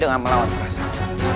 dengan melawan perasaan